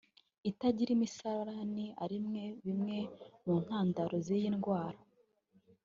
itagira imisarani ari bimwe mu ntandaro z’iyi ndwara